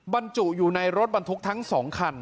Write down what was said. บรรจุอยู่ในรถบรรทุกทั้ง๒คัน